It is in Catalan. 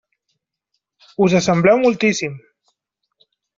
Us assembleu moltíssim.